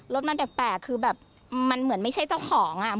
รถมันแปลกคือแบบมันเหมือนไม่ใช่เจ้าของอ่ะ